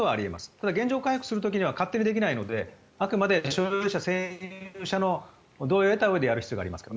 ただ、原状回復をする時には勝手にはできないのであくまで所有者、占有者の同意を得たうえでやる必要があります。